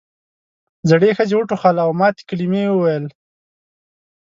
زړې ښځې وټوخل او ماتې کلمې یې وویل.